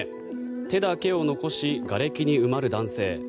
手だけを残しがれきに埋まる男性。